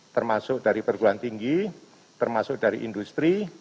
termasuk dari perguruan tinggi termasuk dari industri